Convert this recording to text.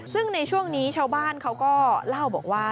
ซึ่งในช่วงนี้ชาวบ้านเขาก็เล่าบอกว่า